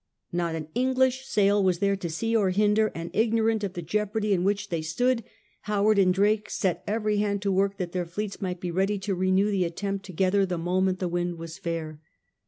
^ Not an English sail was there to see or hinder, and ignorant of the jeopardy in which they stood, Howard and Drake set every hand to work that their fleets might be ready to renew the attempt together the moment the wind was fair.